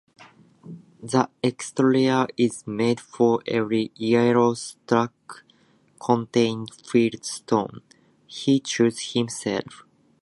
The exterior is made of yellow stucco containing fieldstones he chose himself.